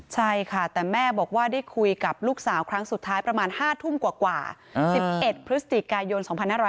ใช่ค่ะแต่แม่บอกว่าได้คุยกับลูกสาวครั้งสุดท้ายประมาณ๕ทุ่มกว่า๑๑พฤศจิกายน๒๕๖๐